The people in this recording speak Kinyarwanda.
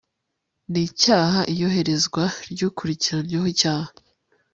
n icyaha iyoherezwa ry ukurikiranyweho icyaha